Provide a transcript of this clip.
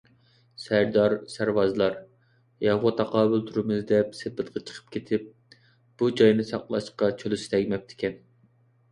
سەردار - سەرۋازلار ياۋغا تاقابىل تۇرىمىز دەپ سېپىلغا چىقىپ كېتىپ، بۇ جاينى ساقلاشقا چولىسى تەگمەپتىكەن.